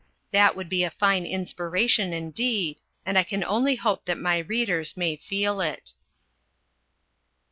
That would be a fine inspiration indeed, and I can only hope that my readers may feel it.